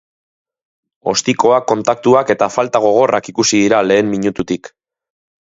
Ostikoak, kontaktuak eta falta gogorrak ikusi dira lehen minututik.